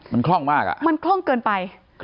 มันคล่องมากอ่ะมันคล่องเกินไป